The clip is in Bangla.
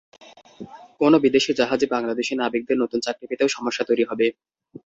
কোনো বিদেশি জাহাজে বাংলাদেশি নাবিকদের নতুন চাকরি পেতেও সমস্যা তৈরি হবে।